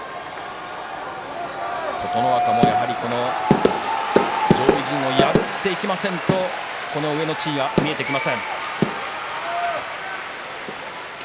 琴ノ若も上位陣を破っていきませんと上の地位が見えてきません。